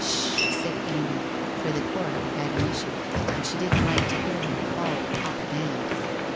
Sh h !' said Amy, for the corridor had an issue, and she didn't like to hear him called Papa Dand.